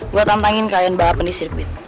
gue tantangin kalian balapan di sirkuit